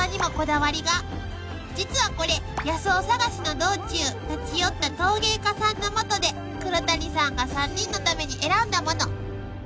［実はこれ野草探しの道中立ち寄った陶芸家さんの元で黒谷さんが３人のために選んだもの］